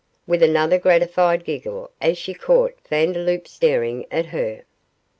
with another gratified giggle, as she caught Vandeloup staring at her.